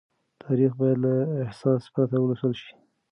تاريخ بايد له احساس پرته ولوستل شي.